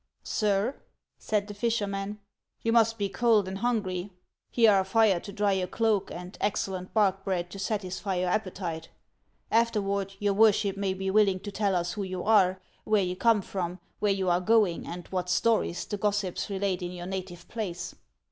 " Sir," said the fisherman, " you must be cold and hungry ; here are fire to dry your cloak and excellent 3U6 HANS OF ICELAND. bark bread to satisfy your appetite. Afterward your worship may be willing to tell us who you are, where you come from, where you are goiiig, and what stories the gossips relate iu your native place."